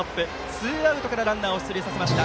ツーアウトからランナーを出塁させました。